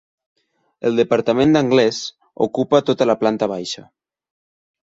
El Departament d'Anglès ocupa tota la planta baixa.